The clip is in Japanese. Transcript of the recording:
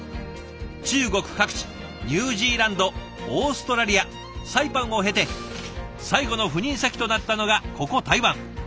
中国各地ニュージーランドオーストラリアサイパンを経て最後の赴任先となったのがここ台湾。